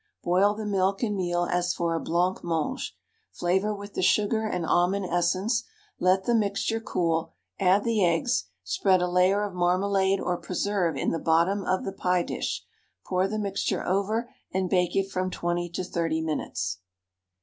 Boil the milk and meal as for a blancmange, flavour with the sugar and almond essence; let the mixture cool, add the eggs, spread a layer of marmalade or preserve in the bottom of the pie dish, pour the mixture over, and bake it from 20 to 30 minutes.